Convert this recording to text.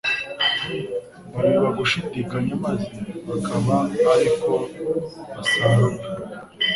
Babiba gushidikanya maze bakaba ari ko basarura.